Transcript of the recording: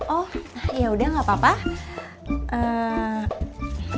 oh yaudah gak apa apa